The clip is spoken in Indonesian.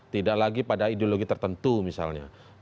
tidak lagi pada ideologi tertentu misalnya